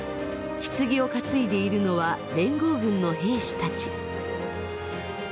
ひつぎを担いでいるのは連合軍の兵士たち。